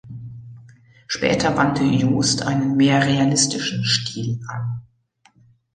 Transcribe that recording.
Später wandte Johst einen mehr realistischen Stil an.